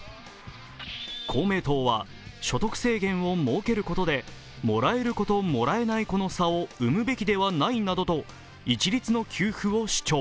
公明党は、所得制限を設けることでもらえる子ともらえない子の差を生むべきでないなどと一律の給付を主張。